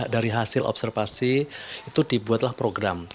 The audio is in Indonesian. dari hasil observasi itu dibuatlah program